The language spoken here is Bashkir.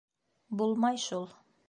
Булмай шул.